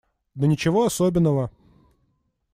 Да ничего особенного.